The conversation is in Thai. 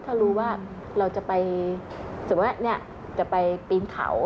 ถ้ารู้ว่าเราจะไปสมมุติว่าจะไปปีนเขา